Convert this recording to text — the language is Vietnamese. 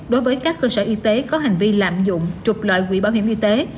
đối với các cơ sở y tế có hành vi lạm dụng trục lợi quỹ bảo hiểm y tế